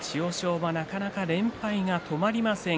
馬はなかなか連敗が止まりません